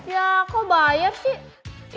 ya kok bayar sih